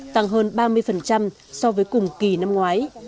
tăng hơn ba mươi so với cùng kỳ năm ngoái